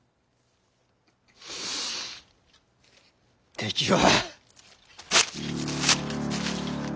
敵は！